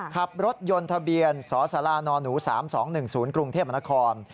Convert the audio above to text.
ขับรถยนต์ทะเบียนสสนหนู๓๒๑๐กรุงเทพมนคร